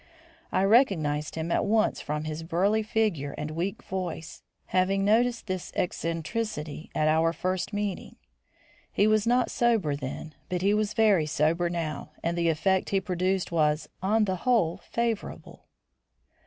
I recognised him at once from his burly figure and weak voice; having noticed this eccentricity at our first meeting. He was not sober then, but he was very sober now, and the effect he produced was, on the whole, favourable.